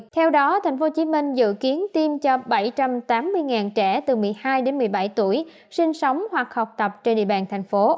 theo đó tp hcm dự kiến tiêm cho bảy trăm tám mươi trẻ từ một mươi hai đến một mươi bảy tuổi sinh sống hoặc học tập trên địa bàn thành phố